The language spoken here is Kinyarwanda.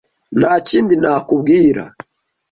Nta kindi nakubwira.